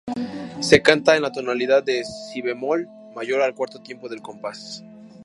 Se canta en la tonalidad de Si bemol Mayor al cuarto tiempo del compás.